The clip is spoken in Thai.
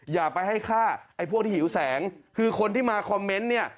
อย่าไปให้ฆ่าไอ้พวกที่หิวแสงคือคนที่มาคอมเมนต์เนี่ย